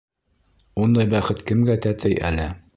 Ундай бәхет кемгә тәтей әле!